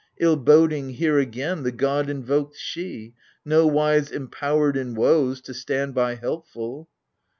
Ill boding here again the god invokes she "*— Nowise empowered in woes to stand by helpful.